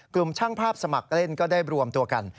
กลุ่มช่างภาพสมัครเล่นก็ได้รวมตัวกัน